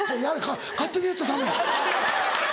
勝手にやっちゃダメ！